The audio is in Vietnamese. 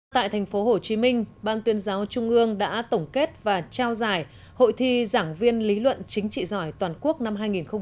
tại thành phố hồ chí minh ban tuyên giáo trung ương đã tổng kết và trao giải hội thi giảng viên lý luận chính trị giỏi toàn quốc năm hai nghìn một mươi tám